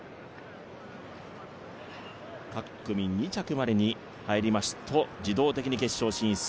各組２着までに入りますと自動的に決勝進出。